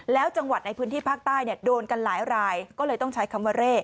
แล้วจังหวัดในพื้นที่ภาคใต้เนี่ยโดนกันหลายรายก็เลยต้องใช้คำว่าเร่